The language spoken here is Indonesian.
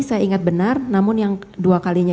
saya ingat benar namun yang dua kalinya